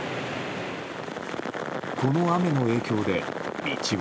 この雨の影響で、道は。